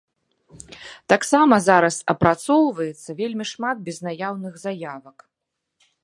Таксама зараз апрацоўваецца вельмі шмат безнаяўных заявак.